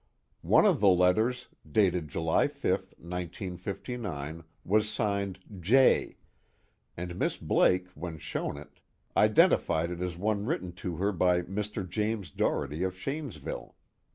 One of the letters, dated July 5, 1959, was signed 'J', and Miss Blake, when shown it, identified it as one written to her by Mr. James Doherty of Shanesville.